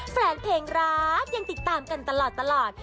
แฟนเพลงรักยังติดตามกันตลอด